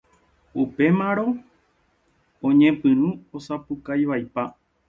Upémarõ oñepyrũ osapukaivaipa.